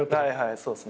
そうっすね。